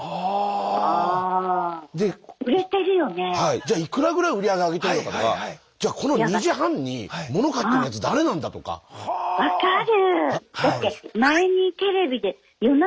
じゃあいくらぐらい売り上げ上げてるのかとかじゃこの２時半に物買ってるやつ誰なんだとか。分かる！